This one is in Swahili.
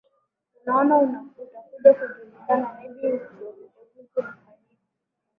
unaona utakuja kujulikana maybe uchuguzi unafanyika